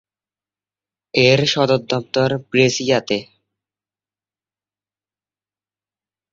এর সদর দফতর ব্রেসিয়াতে।